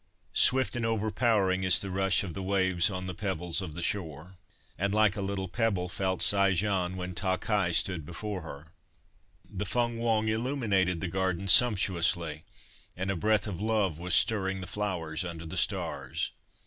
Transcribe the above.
Swift and overpowering is the rush of the waves on the pebbles of the shore, and like a little pebble felt Sai Jen when Ta Khai stood before her. ... The Feng Hwang illuminated the garden sumptuously, and a breath of love was stirring the flowers under the stars.